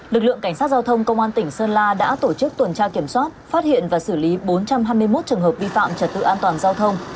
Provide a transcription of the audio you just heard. lực lượng cảnh sát giao thông công an tỉnh sơn la đã tổ chức tuần tra kiểm soát phát hiện và xử lý bốn trăm hai mươi một trường hợp vi phạm trật tự an toàn giao thông